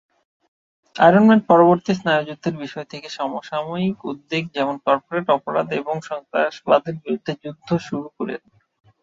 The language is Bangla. আয়রন ম্যান পরবর্তী স্নায়ুযুদ্ধের বিষয় থেকে সমসাময়িক উদ্বেগ যেমন কর্পোরেট অপরাধ এবং সন্ত্রাসবাদের বিরুদ্ধে যুদ্ধ শুরু করেন।